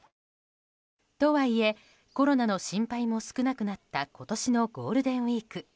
とはいえコロナの心配も少なくなった今年のゴールデンウィーク。